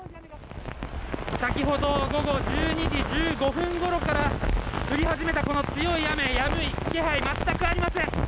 先ほど午後１２時１５分ごろから降り始めたこの強い雨やむ気配が全くありません。